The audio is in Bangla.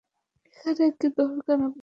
এখানে কি দরকার আপনার?